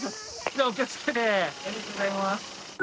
ありがとうございます。